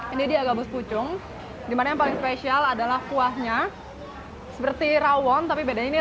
ini dia gabus pucung dimana yang paling spesial adalah kuahnya seperti rawon tapi bedanya ini